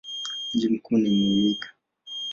Mji mkuu ni Muyinga.